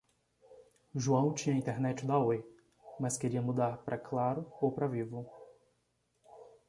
João tinha internet da Oi, mas queria mudar pra Claro ou pra Vivo.